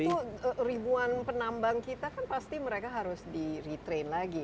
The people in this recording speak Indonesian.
itu ribuan penambang kita kan pasti mereka harus di retrain lagi